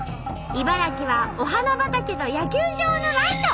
茨城はお花畑と野球場のライト。